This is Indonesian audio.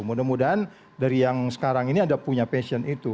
mudah mudahan dari yang sekarang ini ada punya passion itu